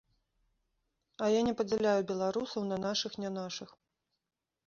А я не падзяляю беларусаў на нашых-нянашых.